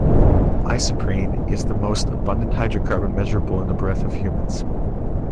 Isoprene is the most abundant hydrocarbon measurable in the breath of humans.